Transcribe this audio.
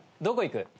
どこ行く？